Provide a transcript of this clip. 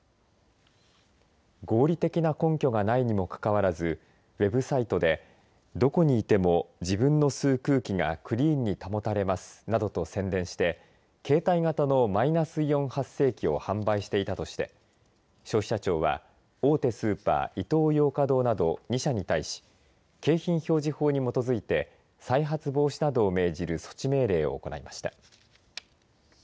合理的な根拠がないにもかかわらずウェブサイトでどこにいても自分の吸う空気がクリーンに保たれますなどと宣伝して携帯型のマイナスイオン発生器を販売していたとして消費者庁は大手スーパーイトーヨーカ堂など２社に対し景品表示法違反に基づいて再発防止などを命じる措置命令を行いました。